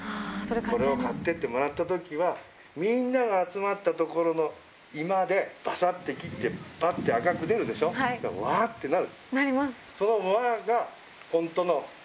ここで買っててもらったときは、みんなが集まった所の居間で、ばさって切って、ぱって赤く出るでしょ、わーってなる。